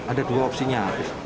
ada dua opsinya